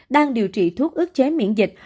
đang điều trị thuốc ước chế miễn dịch